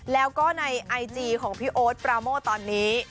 แล้วก็ในไอจีของพี่โอ๊ตปราโม่ตอนนี้